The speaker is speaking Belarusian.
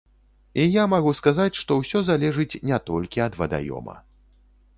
І я магу сказаць, што ўсё залежыць не толькі ад вадаёма.